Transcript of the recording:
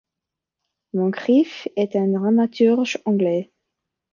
Moncrieff, est un dramaturge anglais.